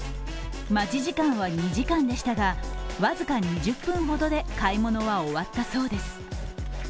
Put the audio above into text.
待ち時間は２時間でしたが、僅か２０分ほどで買い物は終わったそうです。